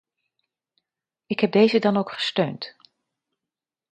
Ik heb deze dan ook gesteund.